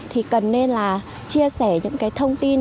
thì cần nên là chia sẻ những cái thông tin